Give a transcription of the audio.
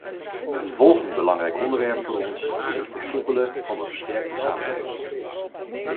Een volgend belangrijk onderwerp voor ons is het versoepelen van de versterkte samenwerking.